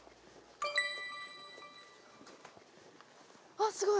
あっすごい。